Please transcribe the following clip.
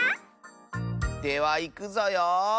ではいくぞよ。